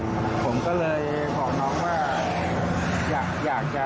ผมก็เลยบอกน้องว่า